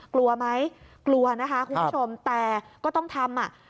กลัวไหมกลัวนะคะคุณผู้ชมแต่ก็ต้องทำอ่ะ